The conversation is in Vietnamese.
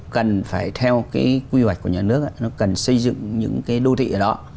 cần phải theo cái quy hoạch của nhà nước nó cần xây dựng những cái đô thị ở đó